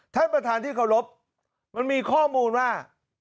ท่านประธานที่เคารพมันมีข้อมูลว่า